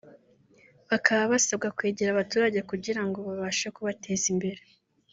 bakaba basabwa kwegera abaturage kugirango babashe kubateza imbere